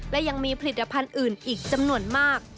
และยังมีผลิตภัณฑ์อื่นอีกจำนวนมาก